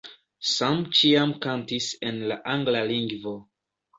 Sam ĉiam kantis en la angla lingvo.